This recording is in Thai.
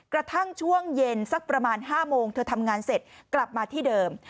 กระทั่งช่วงเย็นสักประมาณ๕โมงเธอทำงานเสร็จกลับมาที่เดิม